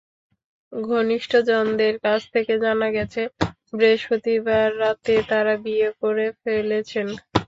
ঘনিষ্ঠজনদের কাছ থেকে জানা গেছে, বৃহস্পতিবার রাতে তাঁরা বিয়ে করে ফেলেছেন।